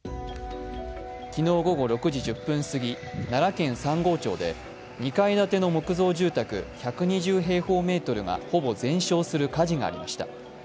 昨日午後６時１０分過ぎ奈良県三郷町で２階建ての木造住宅１２０平方メートルがほぼ全焼する火事がありました。